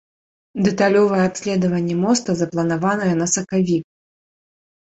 Дэталёвае абследаванне моста запланаванае на сакавік.